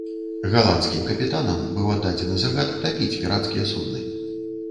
Галандскім капітанам быў аддадзены загад тапіць пірацкія судны.